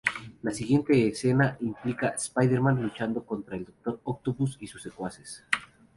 La siguiente escena implica Spider-Man luchando contra el Doctor Octopus y sus secuaces.